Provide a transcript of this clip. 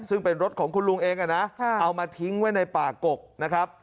ซึ่งเป็นรถของคุณลุงเองเอามาทิ้งไว้ในป่ากกนะครับ